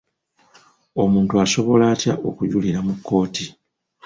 Omuntu asobola atya okujulira mu kkooti?